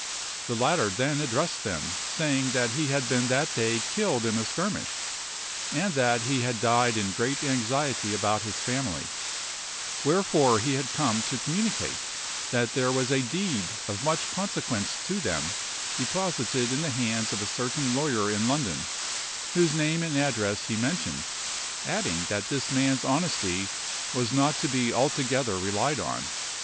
The latter then addressed them, saying that he had been that day killed in a skirmish, and that he had died in great anxiety about his family, wherefore he had come to communicate that there was a deed of much consequence to them deposited in the hands of a certain lawyer in London, whose name and address he mentioned, adding that this man's honesty was not to be altogether relied on.